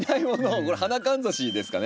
これ花かんざしですかね？